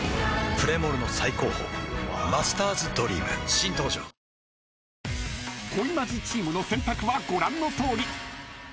プレモルの最高峰「マスターズドリーム」新登場ワオ［恋マジチームの選択はご覧のとおり］